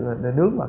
trận cá độ công tác